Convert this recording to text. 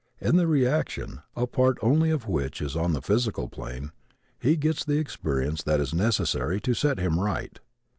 In the reaction, a part only of which is on the physical plane, he gets the experience that is necessary to set him right.